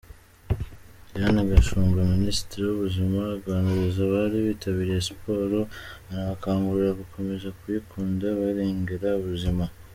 Diane Gashumba Minisitiri w'ubuzima aganiriza abari bitabiriye siporo anabakangurira gukomeza kuyikunda barengera ubuzima.